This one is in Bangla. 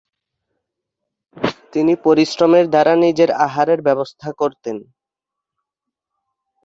তিনি পরিশ্রমের দ্বারা নিজের আহারের ব্যবস্থা করতেন।